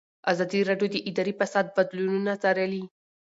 ازادي راډیو د اداري فساد بدلونونه څارلي.